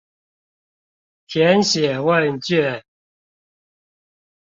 填寫問卷